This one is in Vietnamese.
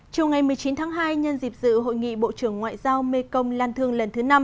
chiều ngày một mươi chín tháng hai nhân dịp dự hội nghị bộ trưởng ngoại giao mekong lan thương lần thứ năm